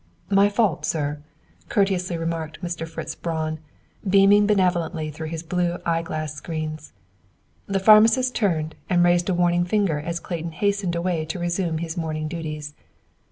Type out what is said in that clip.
"My fault, sir," courteously remarked Mr. Fritz Braun, beaming benevolently through his blue glass eye screens. The pharmacist turned and raised a warning finger as Clayton hastened away to resume his morning duties.